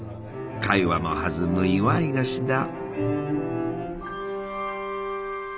会話も弾む祝い菓子だ。